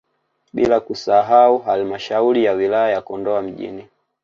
Bila kusahau halmashauri ya wilaya ya Kondoa mjini